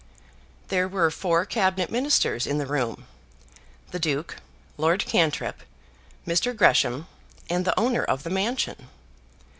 There were four Cabinet Ministers in the room, the Duke, Lord Cantrip, Mr. Gresham, and the owner of the mansion.